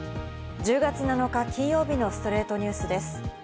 １０月７日、金曜日の『ストレイトニュース』です。